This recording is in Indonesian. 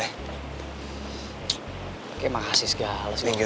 oke makasih segala segala